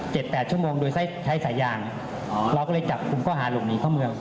เจ็ดแปดชั่วโมงโดยใช้สายางเราก็เลยจับกลุ่มก้อหารุ่มนี้เข้าเมือง